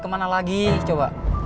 kemana lagi coba